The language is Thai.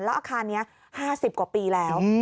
อาคารนี้๕๐กว่าปีแล้ว